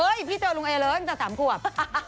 เอ้ยพี่เจอลุงเอแล้วตั้งแต่๓ควบ